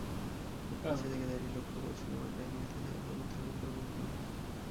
খুব কাছ থেকে দাঁড়িয়ে লক্ষ করছিলাম আড্ডায় মেতে থাকা তরুণ-তরুণীদের মুখগুলো।